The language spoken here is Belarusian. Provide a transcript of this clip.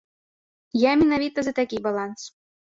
Я менавіта за такі баланс.